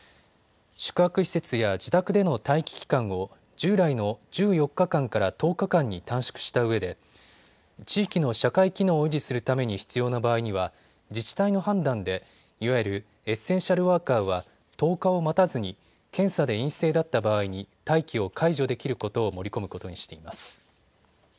宿泊施設や自宅での待機期間を従来の１４日間から１０日間に短縮したうえで地域の社会機能を維持するために必要な場合には自治体の判断でいわゆるエッセンシャルワーカーは１０日を待たずに検査で陰性だった場合に待機を解除できることを盛り込むことにしています。